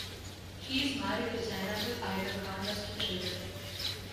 He is married to Zhainagul Aidarkhan and has two children.